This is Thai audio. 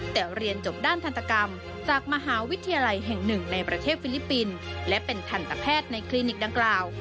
แต่เรียนจบด้านทันตกรรมจากมหาวิทยาลัยแห่งหนึ่งในประเทศฟิลิปปินส์และเป็นทันตแพทย์ในคลินิกดังกล่าว